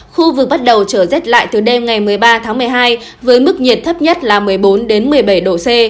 khu vực bắt đầu trở rét lại từ đêm ngày một mươi ba tháng một mươi hai với mức nhiệt thấp nhất là một mươi bốn một mươi bảy độ c